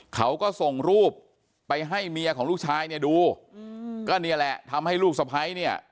เขาก็ส่งรูปไปให้เมียของลูกชายเนี่ยดูอืมก็นี่แหละทำให้ลูกสะพ้ายเนี่ย